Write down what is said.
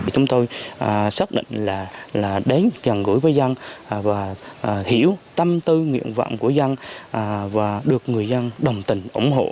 chúng tôi xác định là đến gần gũi với dân và hiểu tâm tư nguyện vọng của dân và được người dân đồng tình ủng hộ